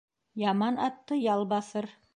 Яман атты ял баҫыр